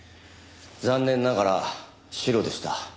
残念ながらシロでした。